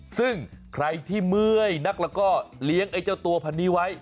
ซึ่งใครที่เมื่อยนักแล้วก็เลี้ยงไอ้เจ้าตัวพันนี้ไว้